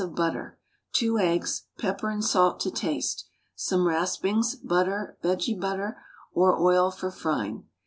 of butter, 2 eggs, pepper and salt to taste, some raspings, butter, vege butter or oil for frying.